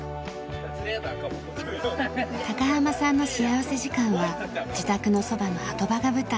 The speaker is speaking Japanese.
高濱さんの幸福時間は自宅のそばの波止場が舞台。